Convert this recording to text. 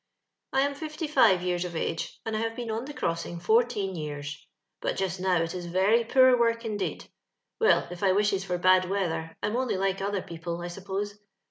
" I am fifty five years of age, and I have been on the crossing fourteen years ; but just now it is very poor work indeed. Well, if I wishes for bad weather, I'm only like other people, I suppose.